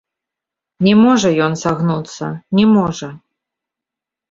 Не можа ён сагнуцца, не можа.